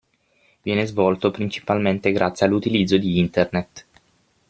Viene svolto principalmente grazie all'utilizzo di Internet.